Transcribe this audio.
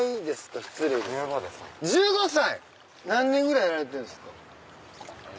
何年ぐらいやられてるんですか？